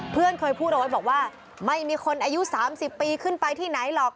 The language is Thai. เพื่อนเคยพูดเอาไว้บอกว่าไม่มีคนอายุ๓๐ปีขึ้นไปที่ไหนหรอก